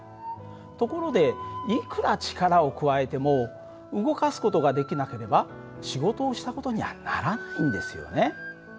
ところでいくら力を加えても動かす事ができなければ仕事をした事にはならないんですよね。